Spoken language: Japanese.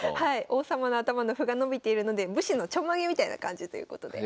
王様の頭の歩が伸びているので武士のちょんまげみたいな感じということで。